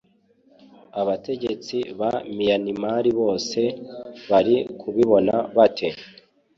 abategetsi ba miyanimari bo se bari kubibona bate